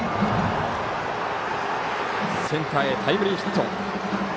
センターへタイムリーヒット。